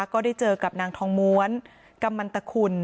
ก็ได้เจอกับนางทองม้วนกำมันตะคุณ